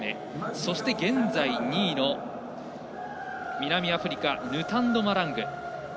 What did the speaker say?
そして、現在２位の南アフリカヌタンド・マラング。